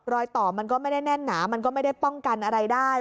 รอยต่อมันก็ไม่ได้แน่นหนามันก็ไม่ได้ป้องกันอะไรได้